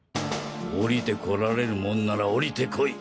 「おりて来られるもんならおりて来い！